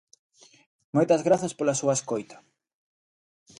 Moitas grazas pola súa escoita.